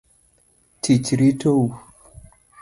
Tich ritou.